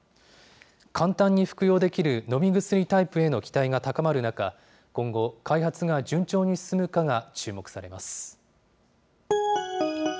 簡単に服用できる飲み薬タイプへの期待が高まる中、今後、開発が順調に進むかが注目されます。